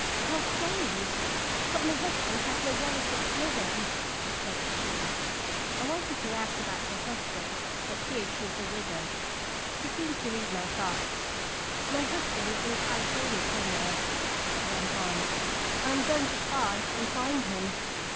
" How strange ! but my husband has no relatives living," said she. I wanted to ask about her husband, but feared she was a widow. She seemed to read my thoughts. " My husband is in California somewhere," she went on. "I am going to try and find him."